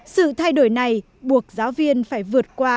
sự thay đổi này buộc giáo viên phải vượt qua